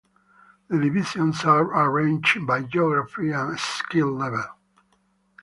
The divisions are arranged by geography and skill level.